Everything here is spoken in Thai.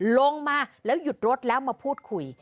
ลงมาแล้วหยุดรถแล้วมาพูดคุย